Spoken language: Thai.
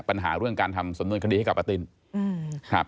ปัญหาเรื่องการทำสำนวนคดีให้กับป้าตินครับ